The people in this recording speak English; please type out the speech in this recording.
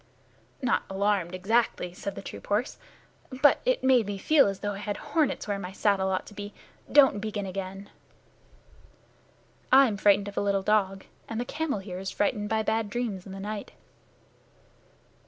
"Not alarmed, exactly," said the troop horse, "but it made me feel as though I had hornets where my saddle ought to be. Don't begin again." "I'm frightened of a little dog, and the camel here is frightened by bad dreams in the night."